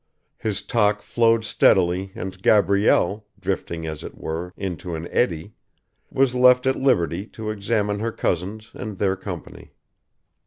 His talk flowed steadily and Gabrielle, drifting as it were, into an eddy, was left at liberty to examine her cousins and their company.